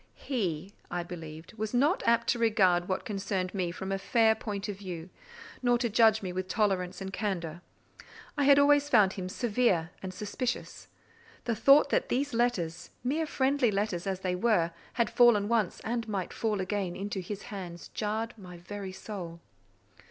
He, I believed, was not apt to regard what concerned me from a fair point of view, nor to judge me with tolerance and candour: I had always found him severe and suspicious: the thought that these letters, mere friendly letters as they were, had fallen once, and might fall again, into his hands, jarred my very soul.